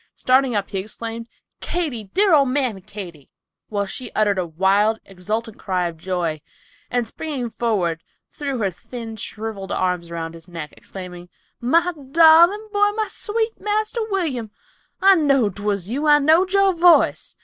Starting up he exclaimed, "Katy, dear old mammy Katy," while she uttered a wild, exultant cry of joy, and springing forward threw her thin, shriveled arms around his neck, exclaiming, "My darling boy, my sweet Marster William. I knowed 'twas you. I knowed your voice.